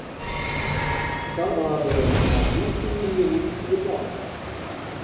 Sa waard dêr noch gjin tsien jier lyn oer tocht.